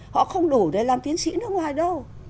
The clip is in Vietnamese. họ không đủ để làm tiến sĩ nước ngoài đâu